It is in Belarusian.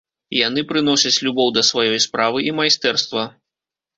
Яны прыносяць любоў да сваёй справы і майстэрства.